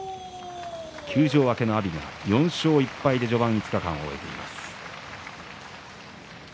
休場明けの阿炎が４勝１敗で序盤５日間を終えています。